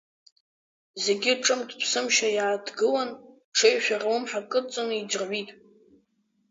Зегьы ҿымҭ-ԥсымшьа иааҭгылан, ҽеишәа рлымҳа кыдҵаны иӡырҩит.